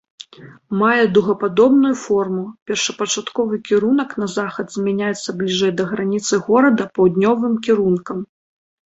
Мае дугападобную форму, першапачатковы кірунак на захад змяняцца бліжэй да граніцы горада паўднёвым кірункам.